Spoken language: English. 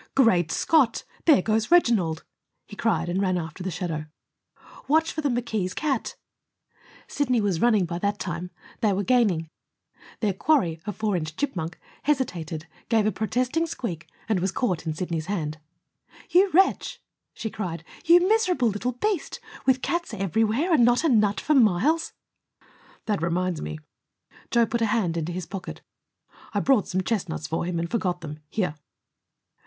"Great Scott! There goes Reginald!" he cried, and ran after the shadow. "Watch for the McKees' cat!" Sidney was running by that time; they were gaining. Their quarry, a four inch chipmunk, hesitated, gave a protesting squeak, and was caught in Sidney's hand. "You wretch!" she cried. "You miserable little beast with cats everywhere, and not a nut for miles!" "That reminds me," Joe put a hand into his pocket, "I brought some chestnuts for him, and forgot them. Here."